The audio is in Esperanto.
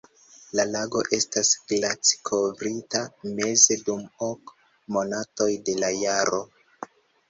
La lago estas glaci-kovrita meze dum ok monatoj de la jaro.